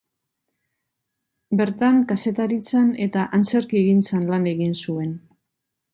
Bertan kazetaritzan eta antzerkigintzan lan egin zuen.